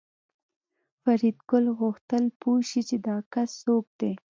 فریدګل غوښتل پوه شي چې دا کس څوک دی